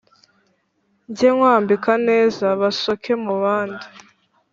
Njye nkwambika neza basoke mubandi.